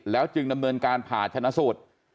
จึงดำเนินการผ่าชนะสูตร